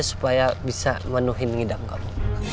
supaya bisa menuhin mengidang kamu